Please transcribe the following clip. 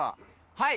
はい。